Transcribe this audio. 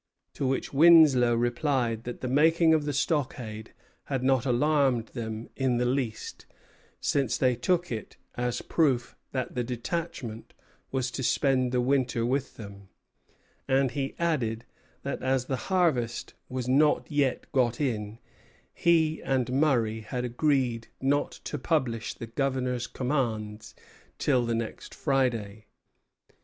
To which Winslow replied that the making of the stockade had not alarmed them in the least, since they took it as a proof that the detachment was to spend the winter with them; and he added, that as the harvest was not yet got in, he and Murray had agreed not to publish the Governor's commands till the next Friday.